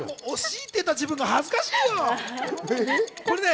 惜しいって言った自分が恥ずかしいよ。